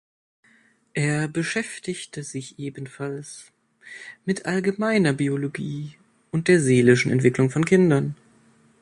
Er beschäftigte sich ebenfalls mit allgemeiner Biologie und der seelischen Entwicklung von Kindern.